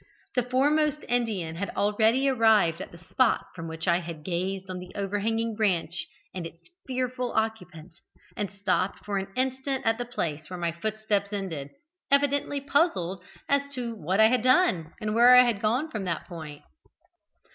The foremost Indian had already arrived at the spot from which I had gazed at the overhanging branch and its fearful occupant, and stopped for an instant at the place where my footsteps ended, evidently puzzled as to what I had done, and where I had gone from that point.